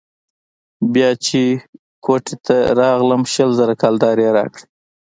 بيا چې كوټې ته راتلم شل زره كلدارې يې راکړې.